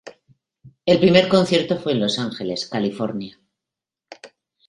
El primer concierto fue en Los Ángeles, California.